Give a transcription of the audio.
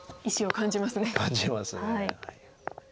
感じます。